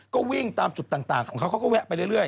ก็วิ่งตามจุดต่างของเขาเขาก็แวะไปเรื่อย